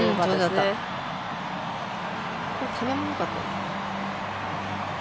ためもよかった。